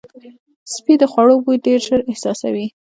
سپي د خوړو بوی ډېر ژر احساسوي.